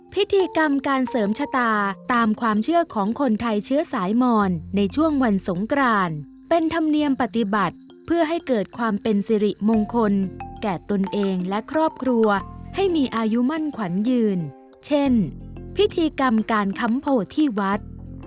พิธีกรรมการเสริมชะตาตามความเชื่อของคนไทยเชื้อสายมอนในช่วงวันสงกรานเป็นธรรมเนียมปฏิบัติเพื่อให้เกิดความเป็นสิริมงคลแก่ตนเองและครอบครัวให้มีอายุมั่นขวัญยืนเช่นพิธีกรรมการค้ำโพที่วัด